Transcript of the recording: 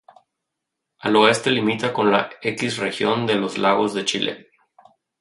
Al oeste limita con la X Región de Los Lagos de Chile.